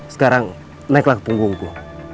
sekarang naiklah ke punggungku